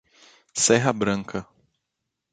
Serra Branca